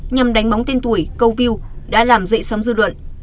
nhằm đánh bóng tên tuổi câu view đã làm dậy sóng dư luận